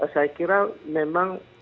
saya kira memang